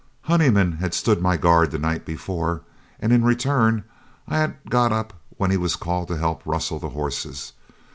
Honeyman had stood my guard the night before, and in return, I had got up when he was called to help rustle the horses.